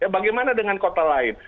bagaimana dengan kota lain